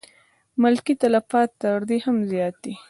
ملکي تلفات تر دې هم زیات دي.